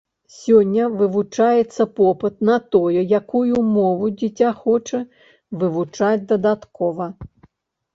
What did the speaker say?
Сёння вывучаецца попыт на тое, якую мову дзіця хоча вывучаць дадаткова.